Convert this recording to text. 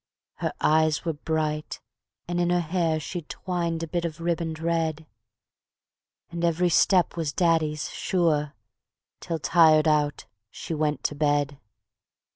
Her eyes were bright and in her hair She'd twined a bit of riband red; And every step was daddy's sure, Till tired out she went to bed.